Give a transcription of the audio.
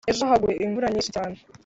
Ejo haguye imvura myishi cyane